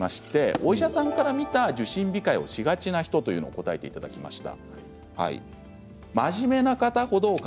お医者さんから見た受診控えをしがちな人を答えていただきました。